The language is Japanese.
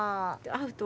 アウト。